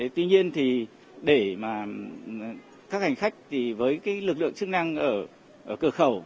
tuy nhiên thì để mà các hành khách thì với lực lượng chức năng ở cửa khẩu